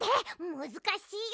むずかしいよ。